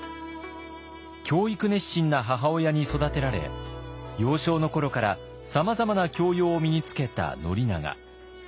教育熱心な母親に育てられ幼少の頃からさまざまな教養を身につけた宣長。